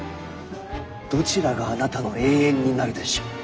どちらがあなたの永遠になるでしょう。